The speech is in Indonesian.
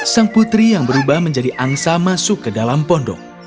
sang putri yang berubah menjadi angsa masuk ke dalam pondok